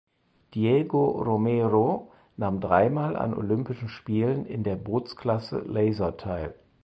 Diego Romero nahm dreimal an Olympischen Spielen in der Bootsklasse Laser teil.